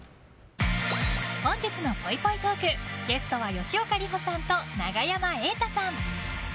本日のぽいぽいトークゲストは吉岡里帆さんと永山瑛太さん！